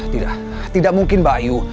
tidak tidak mungkin mbak ayu